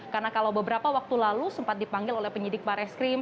karena kalau beberapa waktu lalu sempat dipanggil oleh penyidik barai skrim